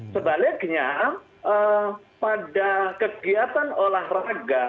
sebaliknya pada kegiatan olahraga